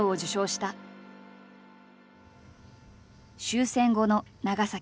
終戦後の長崎。